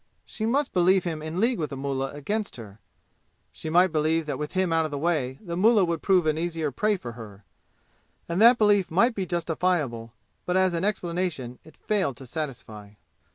She must believe him in league with the mullah against her. She might believe that with him out of the way the mullah would prove an easier prey for her. And that belief might be justifiable, but as an explanation it failed to satisfy.